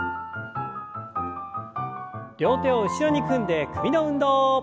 両手を後ろに組んで首の運動。